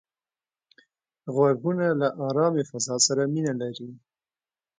غوږونه له آرامې فضا سره مینه لري